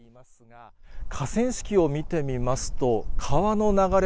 河川敷を見てみますと、川の流れ